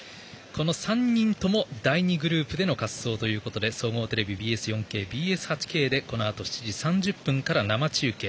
３人とも第２グループでの滑走ということで総合テレビＢＳ４Ｋ、ＢＳ８Ｋでこのあと７時３０分から生中継。